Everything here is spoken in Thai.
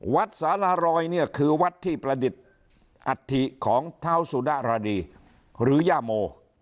สารรอยเนี่ยคือวัดที่ประดิษฐ์อัฐิของเท้าสุดะรดีหรือย่าโม